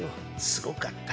すごかった。